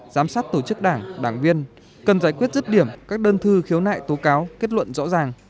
giám sát tổ chức đảng đảng viên cần giải quyết rứt điểm các đơn thư khiếu nại tố cáo kết luận rõ ràng